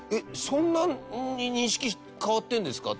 そんなに認識変わってるんですか？